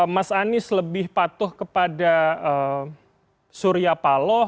mas anies lebih patuh kepada surya paloh